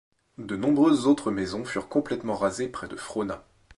De nombreuses autres maisons furent complètement rasées près de Frohna.